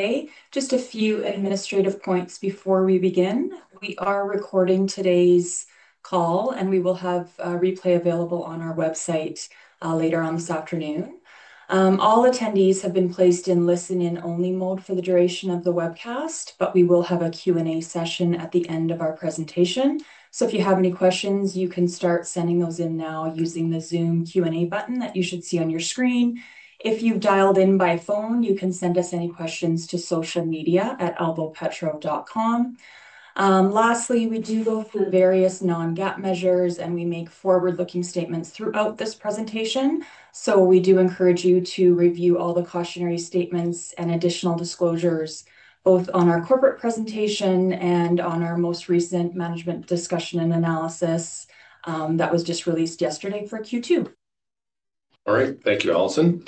Okay, just a few administrative points before we begin. We are recording today's call, and we will have a replay available on our website later on this afternoon. All attendees have been placed in listen-in-only mode for the duration of the webcast, but we will have a Q&A session at the end of our presentation. If you have any questions, you can start sending those in now using the Zoom Q&A button that you should see on your screen. If you've dialed in by phone, you can send us any questions to socialmedia@alvopetro.com. Lastly, we do go through various non-GAAP measures, and we make forward-looking statements throughout this presentation. We do encourage you to review all the cautionary statements and additional disclosures, both on our corporate presentation and on our most recent management discussion and analysis that was just released yesterday for Q2. All right, thank you, Alison.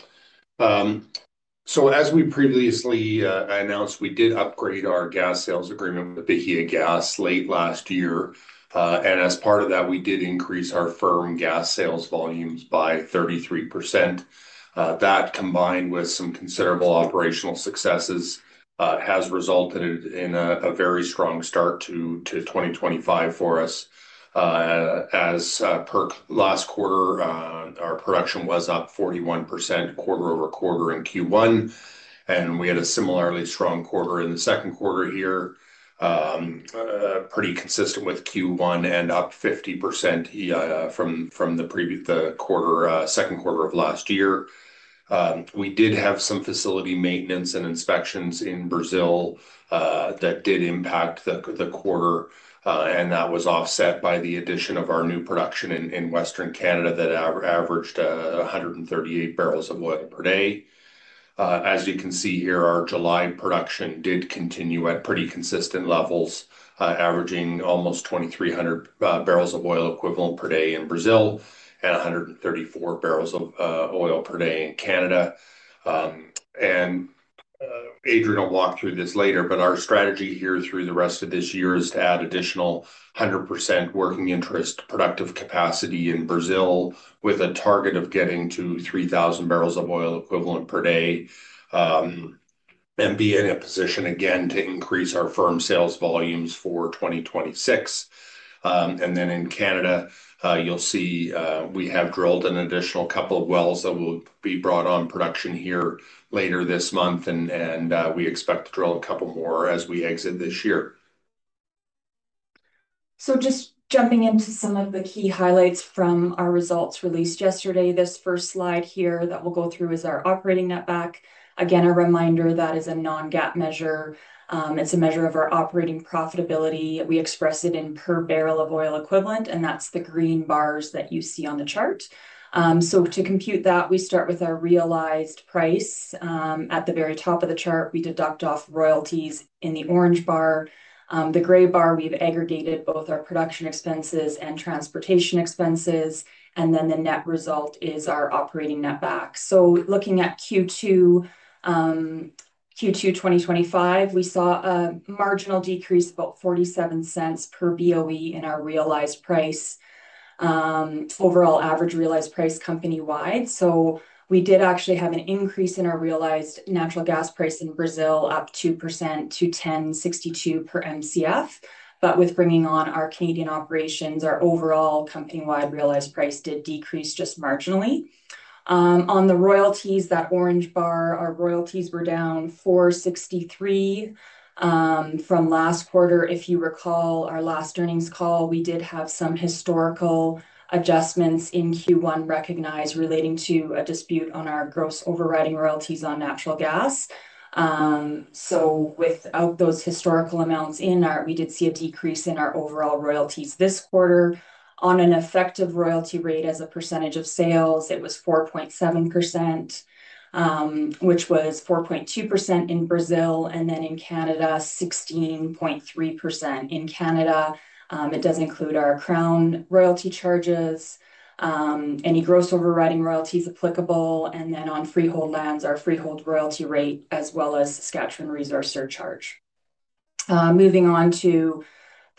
As we previously announced, we did upgrade our gas sales agreement with Bahiagás late last year. As part of that, we did increase our firm gas sales volumes by 33%. That, combined with some considerable operational successes, has resulted in a very strong start to 2025 for us. As per last quarter, our production was up 41% quarter-over-quarter in Q1, and we had a similarly strong quarter in the second quarter here, pretty consistent with Q1 and up 50% from the second quarter of last year. We did have some facility maintenance and inspections in Brazil that did impact the quarter, and that was offset by the addition of our new production in Western Canada that averaged 138 bbl of oil per day. As you can see here, our July production did continue at pretty consistent levels, averaging almost 2,300 bbl of oil equivalent per day in Brazil and 134 bbl of oil per day in Canada. Adrian will walk through this later, but our strategy here through the rest of this year is to add additional 100% working interest productive capacity in Brazil with a target of getting to 3,000 bbl of oil equivalent per day and be in a position again to increase our firm sales volumes for 2026. In Canada, you'll see we have drilled an additional couple of wells that will be brought on production here later this month, and we expect to drill a couple more as we exit this year. Just jumping into some of the key highlights from our results released yesterday, this first slide here that we'll go through is our operating netback. Again, a reminder that is a non-GAAP measure. It's a measure of our operating profitability. We express it in per barrel of oil equivalent, and that's the green bars that you see on the chart. To compute that, we start with our realized price. At the very top of the chart, we deduct off royalties in the orange bar. The gray bar, we've aggregated both our production expenses and transportation expenses, and then the net result is our operating netback. Looking at Q2 2025, we saw a marginal decrease, about $0.47 per BOE in our realized price, overall average realized price company-wide. We did actually have an increase in our realized natural gas price in Brazil, up 2% to $10.62 per MCF. With bringing on our Canadian operations, our overall company-wide realized price did decrease just marginally. On the royalties, that orange bar, our royalties were down $4.63 from last quarter. If you recall our last earnings call, we did have some historical adjustments in Q1 recognized relating to a dispute on our gross overriding royalties on natural gas. With those historical amounts in that, we did see a decrease in our overall royalties this quarter. On an effective royalty rate as a percentage of sales, it was 4.7%, which was 4.2% in Brazil, and then in Canada, 16.3%. It does include our Crown royalty charges, any gross overriding royalties applicable, and then on freehold lands, our freehold royalty rate, as well as the Saskatchewan resource surcharge. Moving on to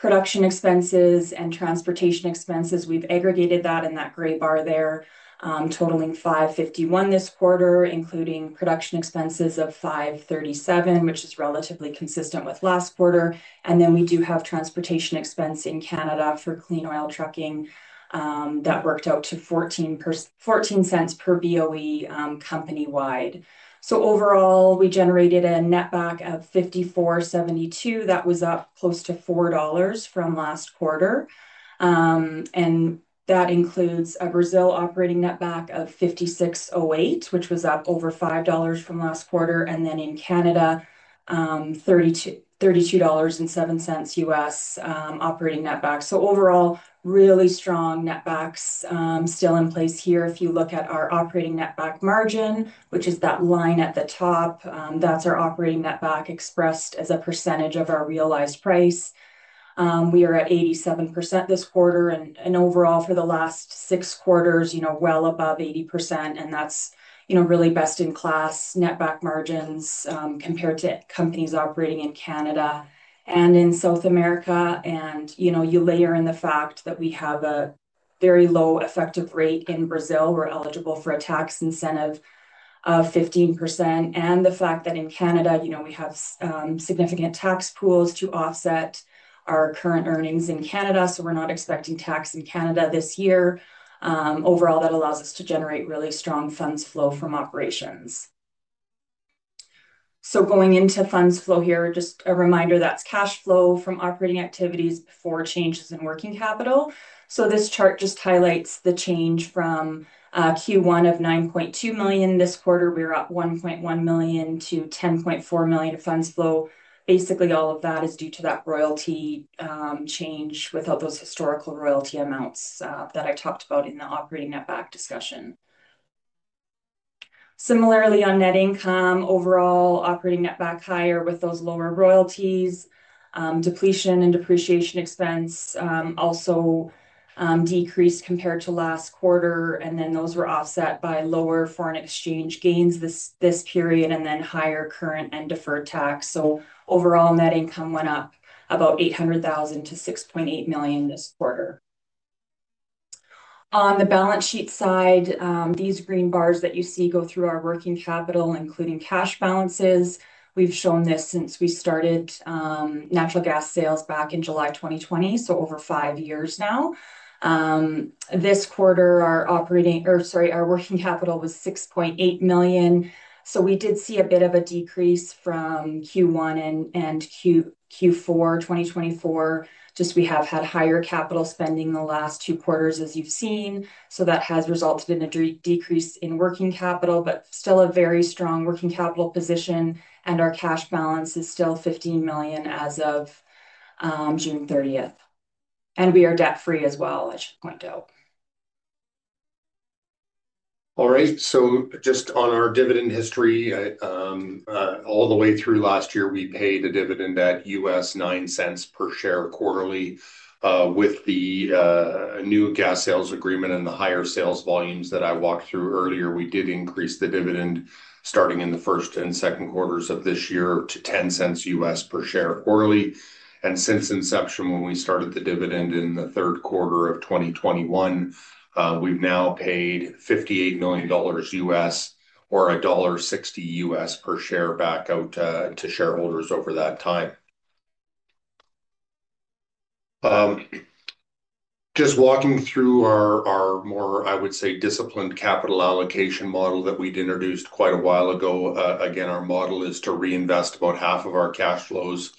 production expenses and transportation expenses, we've aggregated that in that gray bar there, totaling $5.51 this quarter, including production expenses of $5.37, which is relatively consistent with last quarter. We do have transportation expense in Canada for clean oil trucking that worked out to $0.14 per BOE company-wide. Overall, we generated a netback of $54.72 that was up close to $4 from last quarter. That includes a Brazil operating netback of $56.08, which was up over $5 from last quarter, and then in Canada, $32.07 U.S. operating netback. Overall, really strong netbacks still in place here. If you look at our operating netback margin, which is that line at the top, that's our operating netback expressed as a percentage of our realized price. We are at 87% this quarter, and overall for the last six quarters, you know, well above 80%, and that's, you know, really best-in-class netback margins compared to companies operating in Canada and in South America. You layer in the fact that we have a very low effective rate in Brazil. We're eligible for a tax incentive of 15%. The fact that in Canada, you know, we have significant tax pools to offset our current earnings in Canada. We're not expecting tax in Canada this year. Overall, that allows us to generate really strong funds flow from operations. Going into funds flow here, just a reminder that's cash flow from operating activities before changes in working capital. This chart just highlights the change from Q1 of $9.2 million this quarter. We're at $1.1 million to $10.4 million of funds flow. Basically, all of that is due to that royalty change without those historical royalty amounts that I talked about in the operating netback discussion. Similarly, on net income, overall operating netback higher with those lower royalties. Depletion and depreciation expense also decreased compared to last quarter, and then those were offset by lower foreign exchange gains this period and then higher current and deferred tax. Overall, net income went up about $800,000 to $6.8 million this quarter. On the balance sheet side, these green bars that you see go through our working capital, including cash balances. We've shown this since we started natural gas sales back in July 2020, so over five years now. This quarter, our working capital was $6.8 million. We did see a bit of a decrease from Q1 and Q4 2024. We have had higher capital spending the last two quarters, as you've seen. That has resulted in a decrease in working capital, but still a very strong working capital position. Our cash balance is still $15 million as of June 30th. We are debt-free as well, I should point out. All right. Just on our dividend history, all the way through last year, we paid a dividend at $0.09 per share quarterly. With the new gas sales agreement and the higher sales volumes that I walked through earlier, we did increase the dividend starting in the first and second quarters of this year to $0.10 per share quarterly. Since inception, when we started the dividend in the third quarter of 2021, we've now paid $58 million or $1.60 per share back out to shareholders over that time. Just walking through our more, I would say, disciplined capital allocation model that we'd introduced quite a while ago. Our model is to reinvest about half of our cash flows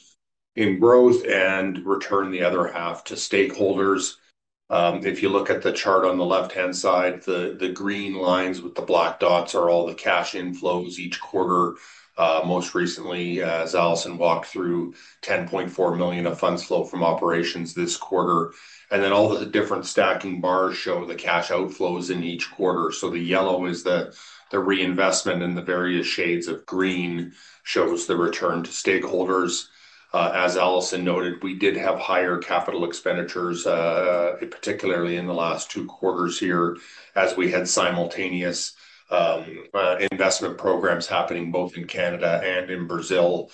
in growth and return the other half to stakeholders. If you look at the chart on the left-hand side, the green lines with the black dots are all the cash inflows each quarter. Most recently, as Alison walked through, $10.4 million of funds flow from operations this quarter. All the different stacking bars show the cash outflows in each quarter. The yellow is the reinvestment, and the various shades of green show the return to stakeholders. As Alison noted, we did have higher capital expenditures, particularly in the last two quarters here, as we had simultaneous investment programs happening both in Canada and in Brazil.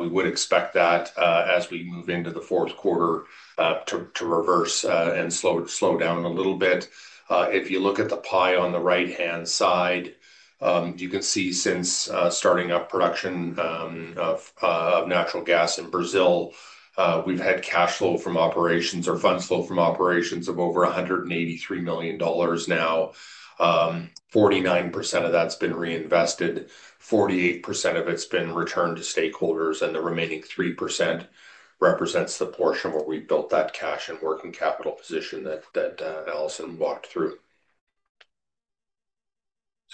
We would expect that as we move into the fourth quarter to reverse and slow down a little bit. If you look at the pie on the right-hand side, you could see since starting up production of natural gas in Brazil, we've had cash flow from operations or funds flow from operations of over $183 million now. 49% of that's been reinvested. 48% of it's been returned to stakeholders, and the remaining 3% represents the portion where we built that cash and working capital position that Alison walked through.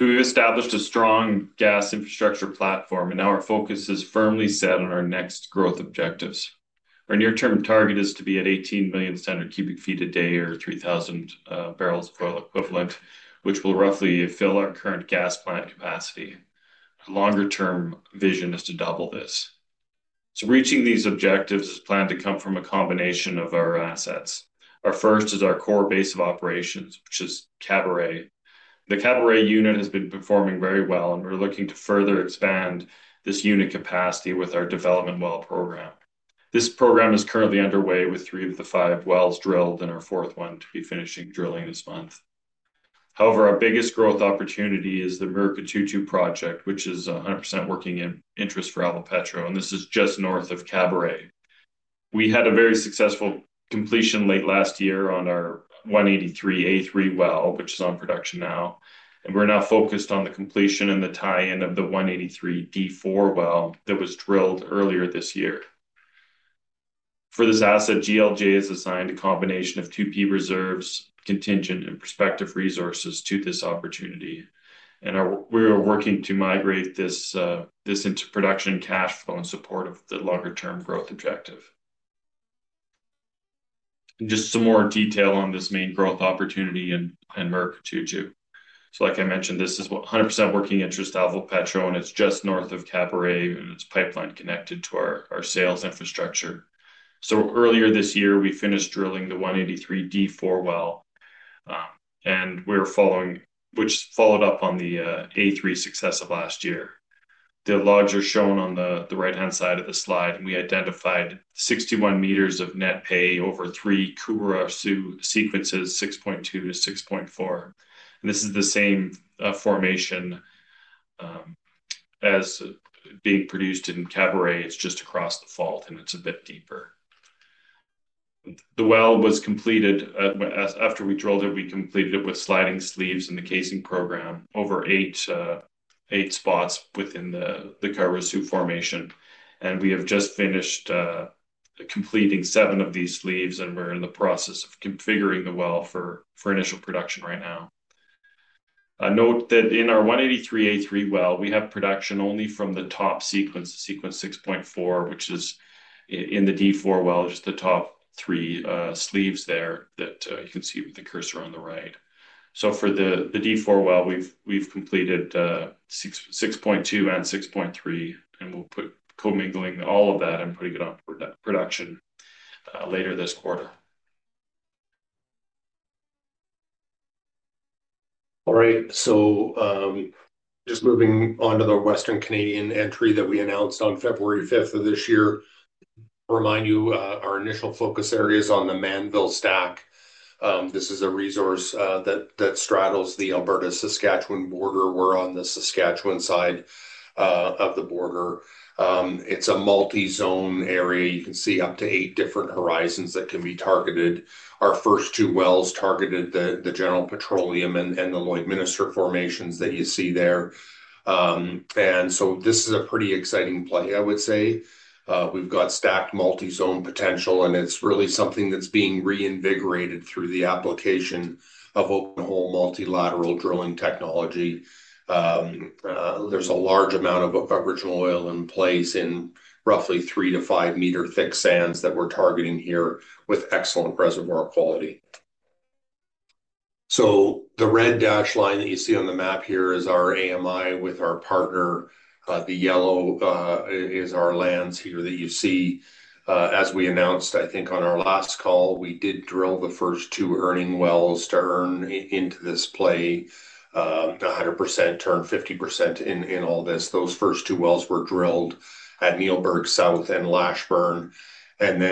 We have established a strong gas infrastructure platform, and our focus is firmly set on our next growth objectives. Our near-term target is to be at 18 million standard cubic feet a day, or 3,000 barrels of oil equivalent, which will roughly fill our current gas plant capacity. Our longer-term vision is to double this. Reaching these objectives is planned to come from a combination of our assets. Our first is our core base of operations, which is Caburé. The Caburé unit has been performing very well, and we're looking to further expand this unit capacity with our development well program. This program is currently underway with three of the five wells drilled and our fourth one to be finishing drilling this month. However, our biggest growth opportunity is the Murucututu project, which is 100% working interest for Alvopetro, and this is just north of Caburé. We had a very successful completion late last year on our 183A3 well, which is on production now. We're now focused on the completion and the tie-in of the 183D4 well that was drilled earlier this year. For this asset, GLJ has assigned a combination of 2P reserves, contingent, and prospective resources to this opportunity. We are working to migrate this into production cash flow in support of the longer-term growth objective. Just some more detail on this main growth opportunity in Murucututu. Like I mentioned, this is 100% working interest to Alvopetro, and it's just north of Caburé, and it's pipeline connected to our sales infrastructure. Earlier this year, we finished drilling the 183D4 well, which followed up on the A3 success of last year. The logs are shown on the right-hand side of the slide, and we identified 61 m of net pay over three Curaçú sequences, 6.2-6.4. This is the same formation as being produced in Caburé. It's just across the fault, and it's a bit deeper. The well was completed after we drilled it. We completed it with sliding sleeves in the casing program over eight spots within the Curaçu formation. We have just finished completing seven of these sleeves, and we're in the process of configuring the well for initial production right now. Note that in our 183A3 well, we have production only from the top sequence, sequence 6.4, which is in the D4 well, just the top three sleeves there that you can see with the cursor on the right. For the D4 well, we've completed 6.2 and 6.3, and we're commingling all of that and putting it on production later this quarter. All right. Just moving on to the Western Canadian entry that we announced on February 5th of this year. Remind you, our initial focus area is on the Mannville Stack. This is a resource that straddles the Alberta-Saskatchewan border. We're on the Saskatchewan side of the border. It's a multi-zone area. You can see up to eight different horizons that can be targeted. Our first two wells targeted the General Petroleum and the Lloydminster formations that you see there. This is a pretty exciting play, I would say. We've got stacked multi-zone potential, and it's really something that's being reinvigorated through the application of open-hole multilateral drilling technology. There's a large amount of original oil in place in roughly 3m-5 m thick sands that we're targeting here with excellent reservoir quality. The red dashed line that you see on the map here is our AMI with our partner. The yellow is our lands here that you see. As we announced, I think on our last call, we did drill the first two earning wells to earn into this play, the 100% to earn 50% in all this. Those first two wells were drilled at Neilburg South and Lashburn.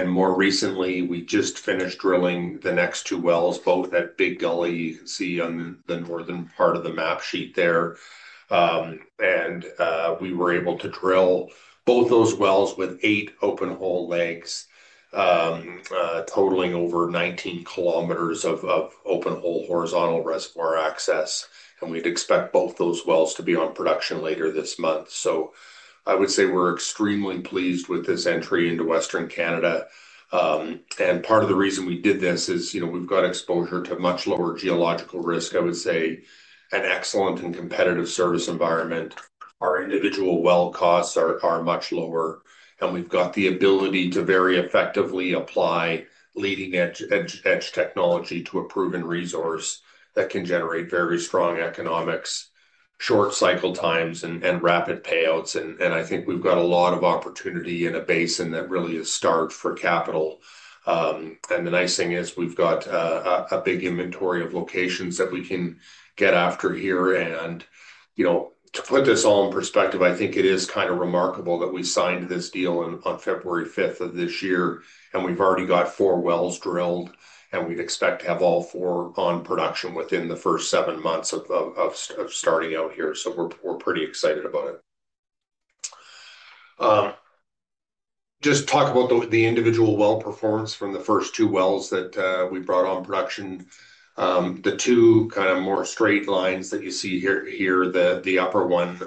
More recently, we just finished drilling the next two wells, both at Big Gully. You can see on the northern part of the map sheet there. We were able to drill both those wells with eight open-hole legs, totaling over 19 km of open-hole horizontal reservoir access. We'd expect both those wells to be on production later this month. I would say we're extremely pleased with this entry into Western Canada. Part of the reason we did this is, you know, we've got exposure to much lower geological risk, I would say, an excellent and competitive service environment. Our individual well costs are much lower. We've got the ability to very effectively apply leading-edge technology to a proven resource that can generate very strong economics, short cycle times, and rapid payouts. I think we've got a lot of opportunity in a basin that really is starved for capital. The nice thing is we've got a big inventory of locations that we can get after here. To put this all in perspective, I think it is kind of remarkable that we signed this deal on February 5th of this year, and we've already got four wells drilled, and we'd expect to have all four on production within the first seven months of starting out here. We're pretty excited about it. Just talk about the individual well performance from the first two wells that we brought on production. The two kind of more straight lines that you see here, the upper one,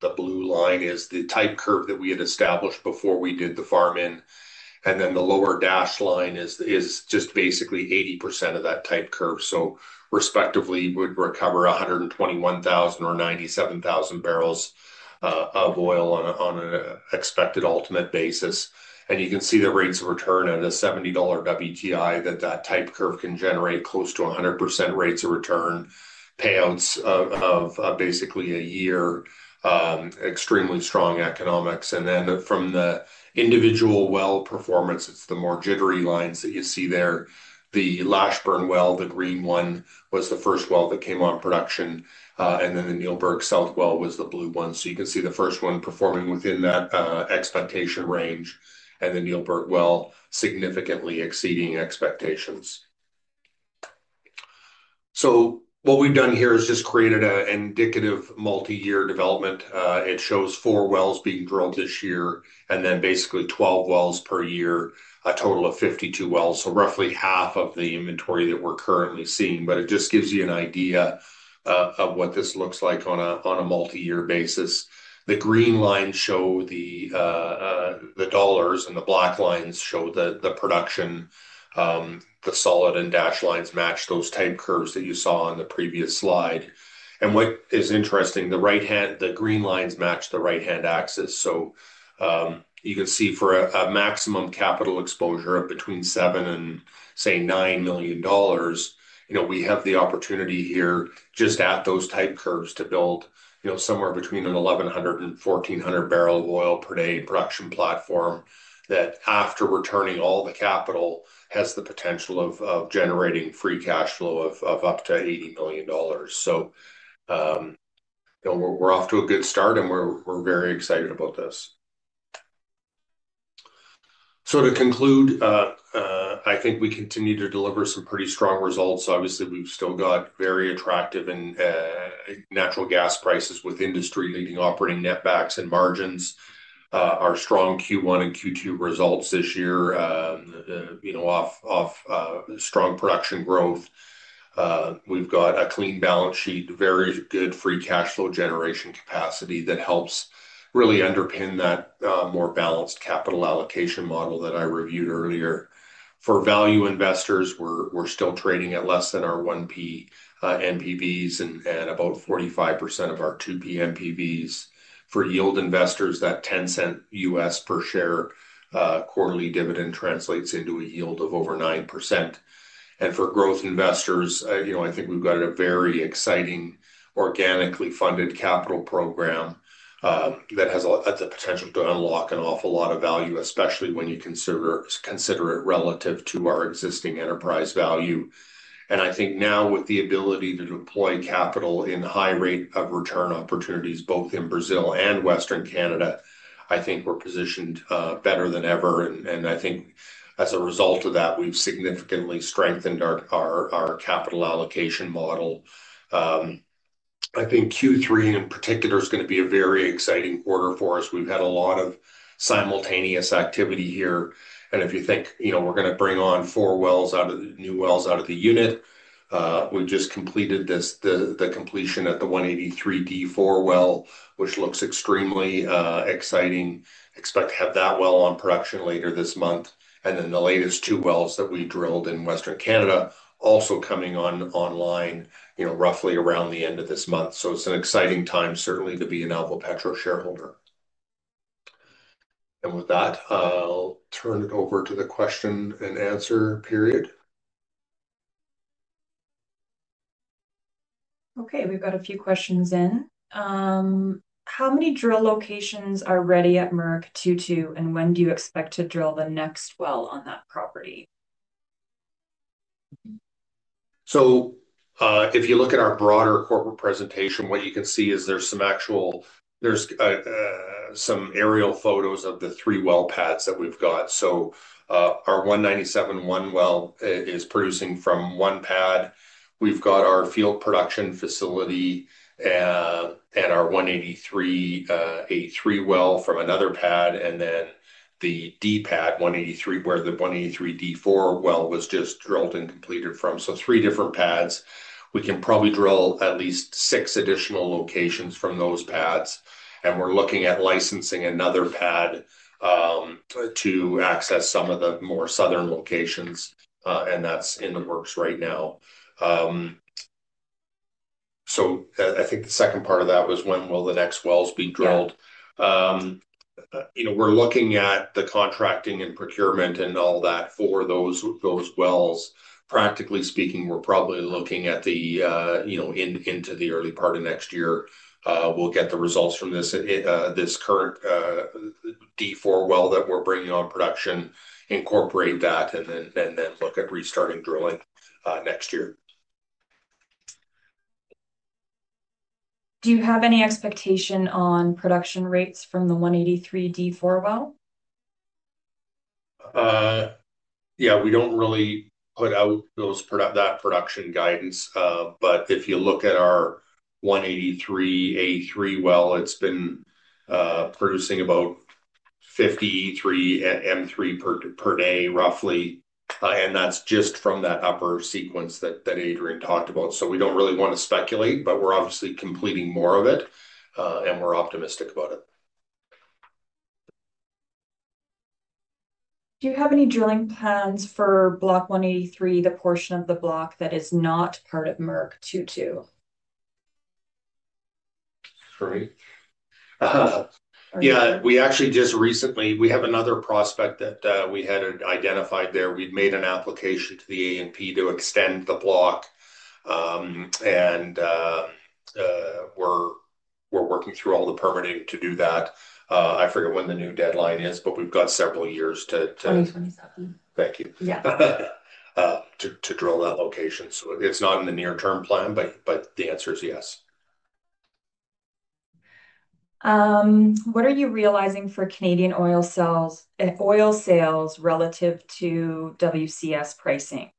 the blue line, is the type curve that we had established before we did the farm-in. The lower dashed line is just basically 80% of that type curve. Respectively, we would recover 121,000 bbl or 97,000 bbl of oil on an expected ultimate basis. You can see the rates of return at a $70 WTI that that type curve can generate close to 100% rates of return, payouts of basically a year, extremely strong economics. From the individual well performance, it's the more jittery lines that you see there. The Lashburn well, the green one, was the first well that came on production. The Nealberg South well was the blue one. You can see the first one performing within that expectation range, and the Nealberg well significantly exceeding expectations. What we've done here is just created an indicative multi-year development. It shows four wells being drilled this year, and then basically 12 wells per year, a total of 52 wells. Roughly half of the inventory that we're currently seeing, but it just gives you an idea of what this looks like on a multi-year basis. The green lines show the dollars, and the black lines show the production. The solid and dashed lines match those type curves that you saw on the previous slide. What is interesting, the green lines match the right-hand axis. You can see for a maximum capital exposure of between $7 million and, say, $9 million, we have the opportunity here just at those type curves to build somewhere between an 1,100 and 1l,400 barrel of oil per day production platform that, after returning all the capital, has the potential of generating free cash flow of up to $80 million. We're off to a good start, and we're very excited about this. To conclude, I think we continue to deliver some pretty strong results. Obviously, we've still got very attractive natural gas prices with industry-leading operating netbacks and margins. Our strong Q1 and Q2 results this year, off strong production growth. We've got a clean balance sheet, very good free cash flow generation capacity that helps really underpin that more balanced capital allocation model that I reviewed earlier. For value investors, we're still trading at less than our 1P NPVs and about 45% of our 2P NPVs. For yield investors, that $0.10 U.S. per share quarterly dividend translates into a yield of over 9%. For growth investors, I think we've got a very exciting organically funded capital program that has the potential to unlock an awful lot of value, especially when you consider it relative to our existing enterprise value. Now, with the ability to deploy capital in high rate of return opportunities, both in Brazil and Western Canada, I think we're positioned better than ever. As a result of that, we've significantly strengthened our capital allocation model. I think Q3, in particular, is going to be a very exciting quarter for us. We've had a lot of simultaneous activity here. If you think, we're going to bring on four wells out of the new wells out of the unit, we've just completed the completion at the 183D4 well, which looks extremely exciting. Expect to have that well on production later this month. The latest two wells that we drilled in Western Canada are also coming online, roughly around the end of this month. It's an exciting time, certainly, to be an Alvopetro shareholder. With that, I'll turn it over to the question-and-answer period. Okay. We've got a few questions in. How many drill locations are ready at Murucututu, and when do you expect to drill the next well on that property? If you look at our broader corporate presentation, what you can see is there's some actual, there's some aerial photos of the three well pads that we've got. Our 197-1 well is producing from one pad. We've got our field production facility and our 183A3 well from another pad, and then the D pad, where the 183D4 well was just drilled and completed from. Three different pads. We can probably drill at least six additional locations from those pads. We're looking at licensing another pad to access some of the more southern locations, and that's in the works right now. I think the second part of that was when will the next wells be drilled. We're looking at the contracting and procurement and all that for those wells. Practically speaking, we're probably looking at the early part of next year. We'll get the results from this current D4 well that we're bringing on production, incorporate that, and then look at restarting drilling next year. Do you have any expectation on production rates from the 183D4 well? Yeah, we don't really put out those production guidance, but if you look at our 183A3 well, it's been producing about 53 m³ per day, roughly. That's just from that upper sequence that Adrian talked about. We don't really want to speculate, but we're obviously completing more of it, and we're optimistic about it. Do you have any drilling plans for block 183, the portion of the block that is not part of Murucututu? Yeah, we actually just recently, we have another prospect that we had identified there. We've made an application to the A&P to extend the block, and we're working through all the permitting to do that. I forget when the new deadline is, but we've got several years to. 2027. Thank you. Yeah. To drill that location, it's not in the near-term plan, but the answer is yes. What are you realizing for Canadian oil sales relative to WCS pricing?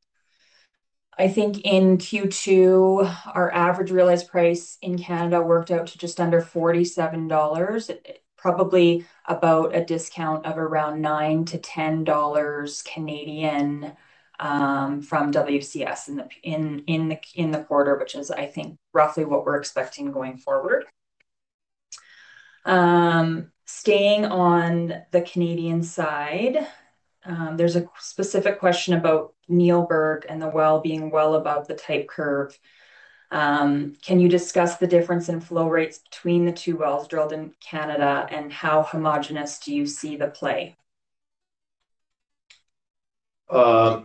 I think in Q2, our average realized price in Canada worked out to just under $47, probably about a discount of around $9-$10 Canadian from WCS in the quarter, which is, I think, roughly what we're expecting going forward. Staying on the Canadian side, there's a specific question about Nealberg and the well being well above the type curve. Can you discuss the difference in flow rates between the two wells drilled in Canada and how homogenous do you see the play? I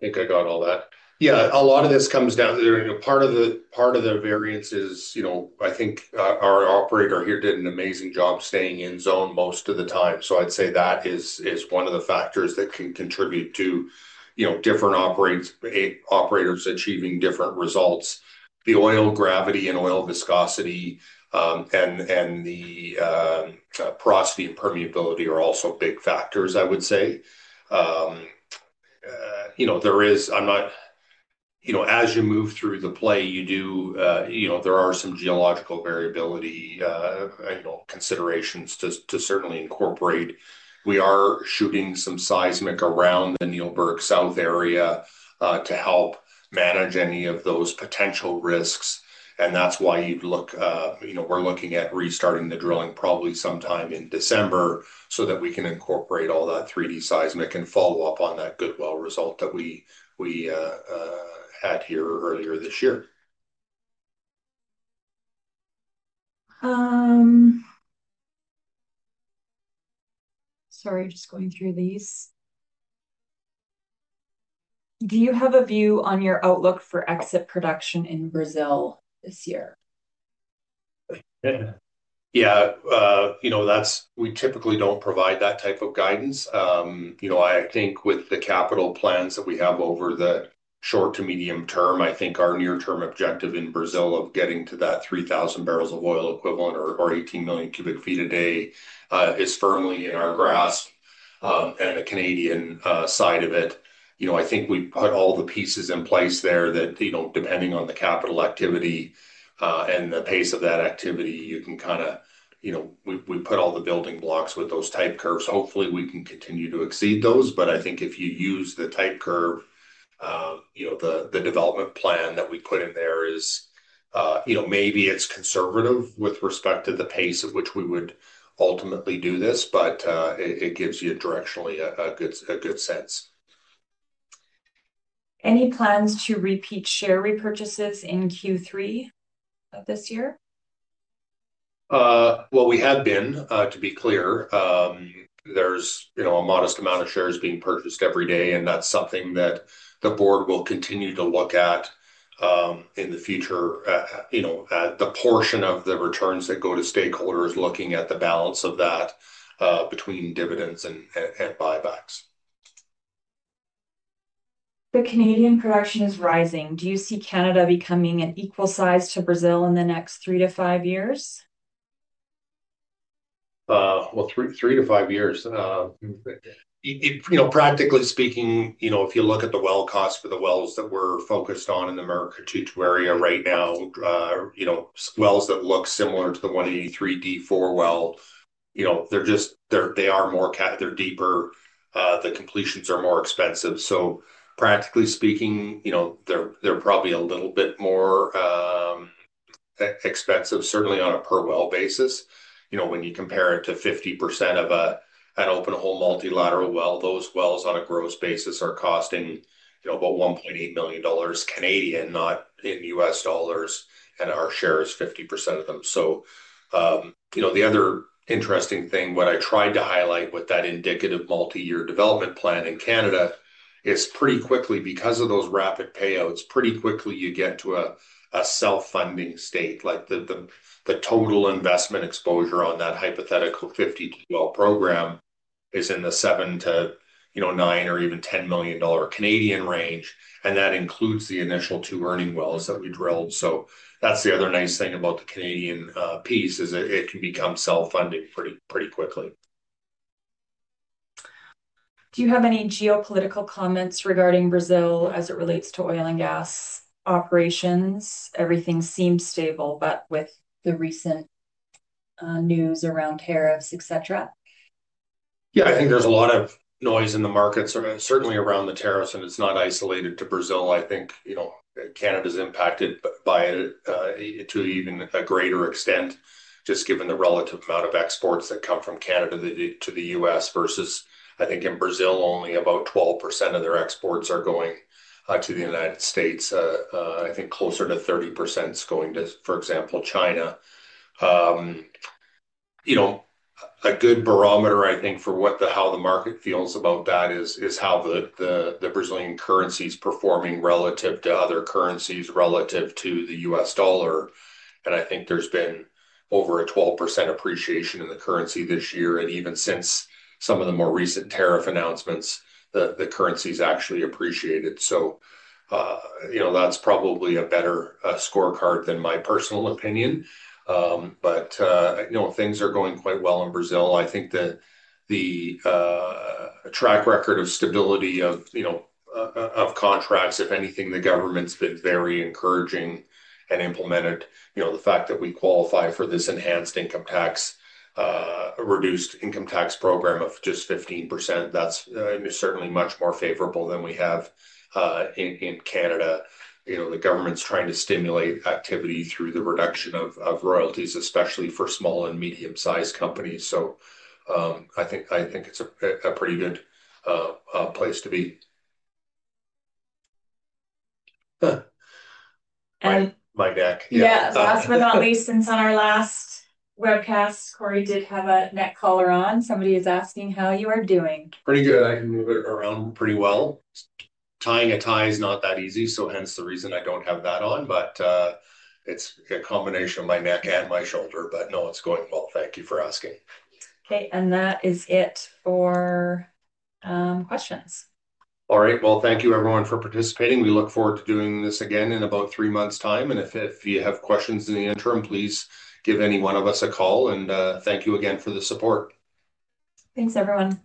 think I got all that. Yeah, a lot of this comes down to, you know, part of the variance is, you know, I think our operator here did an amazing job staying in zone most of the time. I'd say that is one of the factors that can contribute to different operators achieving different results. The oil gravity and oil viscosity and the porosity and permeability are also big factors, I would say. There is, as you move through the play, you do, you know, there are some geological variability considerations to certainly incorporate. We are shooting some seismic around the Nealberg South area to help manage any of those potential risks. That's why you'd look, we're looking at restarting the drilling probably sometime in December so that we can incorporate all that 3D seismic and follow up on that good well result that we had here earlier this year. Sorry, I'm just going through these. Do you have a view on your outlook for exit production in Brazil this year? Yeah, that's, we typically don't provide that type of guidance. I think with the capital plans that we have over the short to medium term, our near-term objective in Brazil of getting to that 3,000 barrels of oil equivalent or 18 million cubic ft a day is firmly in our grasp and the Canadian side of it. I think we put all the pieces in place there that, depending on the capital activity and the pace of that activity, you can kind of, we put all the building blocks with those type curves. Hopefully, we can continue to exceed those, but I think if you use the type curve, the development plan that we put in there is, maybe it's conservative with respect to the pace at which we would ultimately do this, but it gives you directionally a good sense. Any plans to repeat share repurchases in Q3 of this year? We have been, to be clear. There's a modest amount of shares being purchased every day, and that's something that the board will continue to look at in the future, you know, the portion of the returns that go to stakeholders, looking at the balance of that between dividends and buy-backs. The Canadian production is rising. Do you see Canada becoming an equal size to Brazil in the next three to five years? Three to five years. Practically speaking, if you look at the well cost for the wells that we're focused on in the Murucututu area right now, wells that look similar to the 183D4 well, they're just, they are more, they're deeper. The completions are more expensive. Practically speaking, they're probably a little bit more expensive, certainly on a per-well basis. When you compare it to 50% of an open-hole multilateral well, those wells on a gross basis are costing about $1.8 million Canadian, not in U.S. dollars, and our share is 50% of them. The other interesting thing, what I tried to highlight with that indicative multi-year development plan in Canada is pretty quickly, because of those rapid payouts, pretty quickly you get to a self-funding state. The total investment exposure on that hypothetical 52-well program is in the $7 million to $9 million or even $10 million Canadian range, and that includes the initial two earning wells that we drilled. That's the other nice thing about the Canadian piece, it can become self-funding pretty quickly. Do you have any geopolitical comments regarding Brazil as it relates to oil and gas operations? Everything seems stable, with the recent news around tariffs, etc. Yeah, I think there's a lot of noise in the market, certainly around the tariffs, and it's not isolated to Brazil. I think Canada's impacted by it to even a greater extent, just given the relative amount of exports that come from Canada to the U.S. versus, I think in Brazil, only about 12% of their exports are going to the United States. I think closer to 30% is going to, for example, China. A good barometer, I think, for how the market feels about that is how the Brazilian currency is performing relative to other currencies relative to the U.S. dollar. I think there's been over a 12% appreciation in the currency this year, and even since some of the more recent tariff announcements, the currency's actually appreciated. That's probably a better scorecard than my personal opinion. Things are going quite well in Brazil.I think the track record of stability of contracts, if anything, the government's been very encouraging and implemented. The fact that we qualify for this enhanced income tax, a reduced income tax program of just 15%, that's certainly much more favorable than we have in Canada. The government's trying to stimulate activity through the reduction of royalties, especially for small and medium-sized companies. I think it's a pretty good place to be. All right. My neck. Yeah, last but not least, since on our last webcast, Corey did have a neck collar on. Somebody is asking how you are doing. Pretty good. I can move it around pretty well. Tying a tie is not that easy, hence the reason I don't have that on, but it's a combination of my neck and my shoulder. It's going well. Thank you for asking. Okay, that is it for questions. All right. Thank you, everyone, for participating. We look forward to doing this again in about three months' time. If you have questions in the interim, please give any one of us a call. Thank you again for the support. Thanks, everyone.